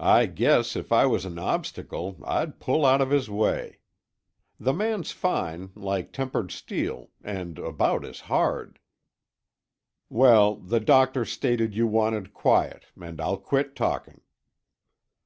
I guess if I was an obstacle, I'd pull out of his way. The man's fine, like tempered steel, and about as hard Well, the doctor stated you wanted quiet and I'll quit talking."